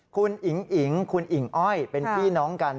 คุณอิ่งอิ๋งเขาเป็นพี่น้องละกัน